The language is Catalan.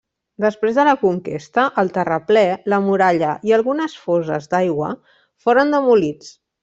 Després de la conquesta, el terraplè, la muralla i algunes foses d'aigua foren demolits.